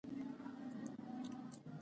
غول د وجود غلچکي راایستونکی دی.